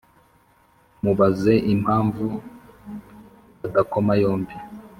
mubaze impamvu adakoma yombi